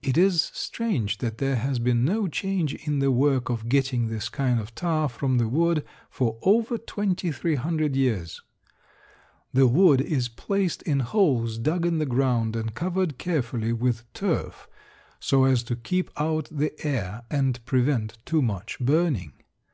It is strange that there has been no change in the work of getting this kind of tar from the wood for over twenty three hundred years. The wood is placed in holes dug in the ground and covered carefully with turf so as to keep out the air and prevent too much burning.